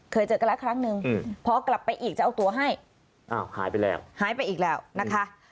เคยเจอกันแล้วครั้งนึงพอกลับไปอีกจะเอาตัวให้หายไปอีกแล้วนะคะ